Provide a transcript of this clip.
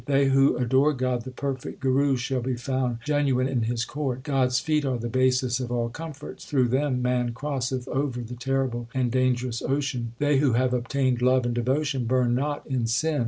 They who adore God the perfect Guru shall be found genuine in His court. God s feet are the basis of all comforts ; through them man crosseth over the terrible and dangerous ocean. They who have obtained love and devotion burn not in sin.